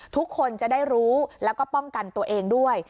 ทุกคนจะได้รู้แล้วก็ป้องกันตัวเองด้วย